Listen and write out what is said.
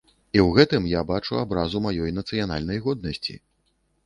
І ў гэтым я бачу абразу маёй нацыянальнай годнасці.